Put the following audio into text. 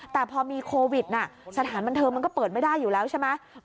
แต่พอมีโควิดสถานบันเทิงมันก็เปิดไม่ได้อยู่แล้วใช่ไหม